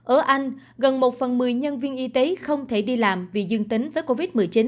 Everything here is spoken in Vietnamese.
ở anh gần một phần một mươi nhân viên y tế không thể đi làm vì dương tính với covid một mươi chín